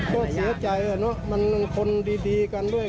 ก็เสียใจอะเนอะมันคนดีกันด้วย